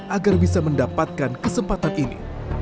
agar bisa mendapatkan kesempatan ini